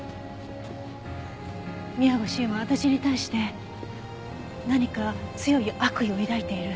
宮越優真は私に対して何か強い悪意を抱いている。